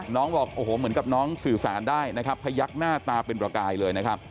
น้องบอกเหมือนกับน้องสื่อสารได้พยักหน้าตาเป็นประกายเลยนะครับ